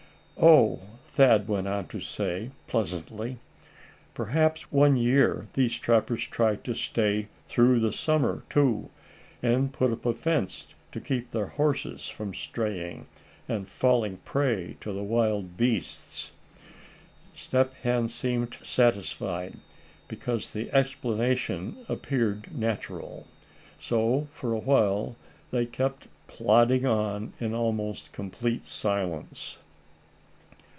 "Oh!" Thad went on to say, pleasantly, "perhaps one year these trappers tried to stay through the summer too, and put up a fence to keep their horses from straying, and falling prey to the wild beasts." Step Hen seemed satisfied, because the explanation appeared natural. So for a while they kept plodding on in almost complete silence.